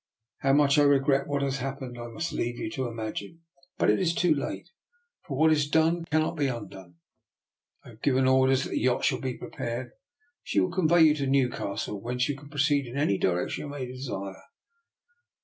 How DR. NIKOLA'S EXPERIMENT. 307 much I regret what has happened, I must leave you to imagine; but it is too late: what is done cannot be undone. I have given or ders that the yacht shall be prepared. She will convey you to Newcastle, whence you can proceed in any direction you may desire.